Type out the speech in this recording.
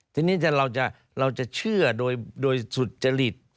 ทีนี้เราจะเชื่อโดยสุจริต